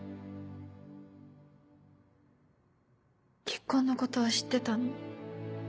結婚のことは知ってたの？